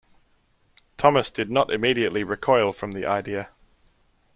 Thomas did not immediately recoil from the idea.